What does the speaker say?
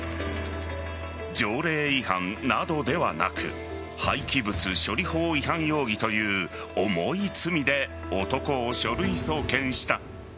条例違反などではなく廃棄物処理法違反容疑という重い罪で男を書類送検した。